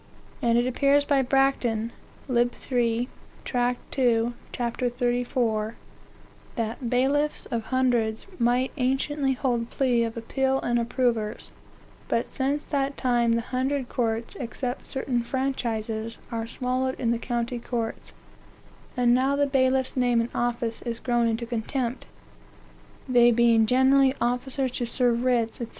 And it appears by Bracton, (lib. 3, tract. 2, ch. 34,) that bailiffs of hundreds might anciently hold plea of appeal and approvers; but since that time the hundred courts, except certain franchises, are swallowed in the county courts; and now the bailiff's name and office is grown into contempt, they being generally officers to serve writs, &c.